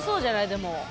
でも。